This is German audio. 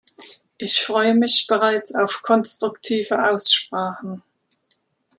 Ich freue mich bereits auf konstruktive Aussprachen.